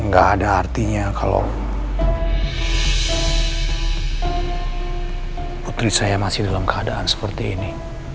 gak ada artinya kalau putri saya masih dalam keadaan seperti ini